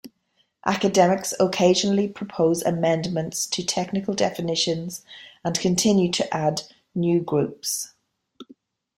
Academics occasionally propose amendments to technical definitions and continue to add new groups.